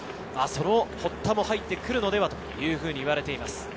その堀田も入ってくるのではというふうに言われています。